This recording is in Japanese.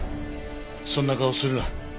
そんな顔をするな。